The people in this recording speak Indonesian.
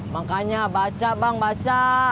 makanya baca bang baca